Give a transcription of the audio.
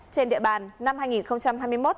trên địa bàn năm hai nghìn hai mươi một